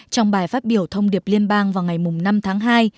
trong bài phát biểu thông điệp liên bang vào ngày năm tháng hai